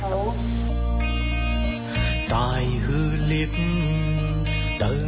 สิบปีผ่านทิศล้นห่างห่อ